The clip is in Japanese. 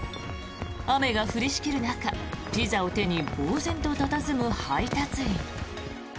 雨が降りしきる中、ピザを手にぼうぜんと佇む配達員。